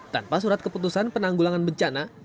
tanpa surat keputusan penanggulangan bencana